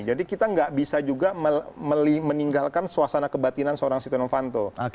jadi kita gak bisa juga meninggalkan suasana kebatinan seorang setonofanto